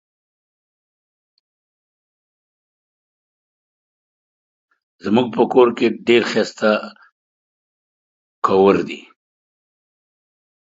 زمونږ په کور کې ډير ښايسته کوور دي